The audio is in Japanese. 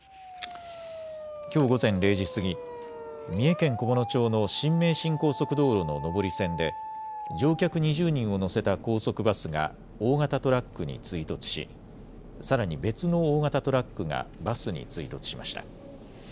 きょう午前０時過ぎ、三重県菰野町の新名神高速道路の上り線で乗客２０人を乗せた高速バスが大型トラックに追突しさらに別の大型トラックがバスに追突しました。